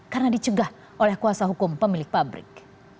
karena dicegah oleh kuasa hukum pemilik pabrik